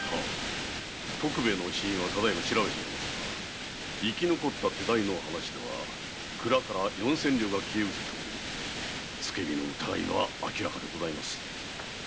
徳兵衛の死因は調べておりますが生き残った手代の話では蔵から四千両が消えうせており「つけ火」の疑いは明らかです。